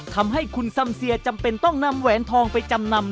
ทำให้คุณซัมเซียจำเป็นต้องนำแหวนทองไปจำนำ